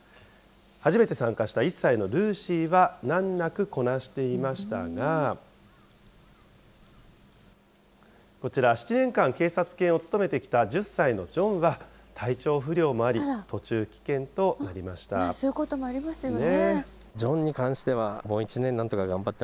初めて参加した１歳のルーシーは、難なくこなしていましたが、こちら、７年間、警察犬を務めてきた１０歳のジョンは、体調不良もあり、途中棄権そういうこともありますよね。